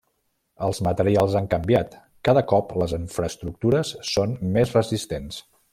Els materials han canviat, cada cop les infraestructures són més resistents.